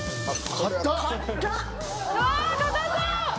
硬そう！